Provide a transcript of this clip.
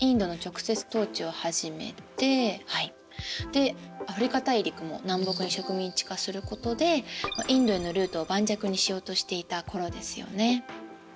でアフリカ大陸も南北に植民地化することでインドへのルートを盤石にしようとしていた頃ですよね。